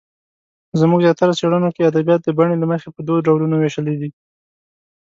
زموږ زیاتره څېړنو کې ادبیات د بڼې له مخې په دوو ډولونو وېشلې دي.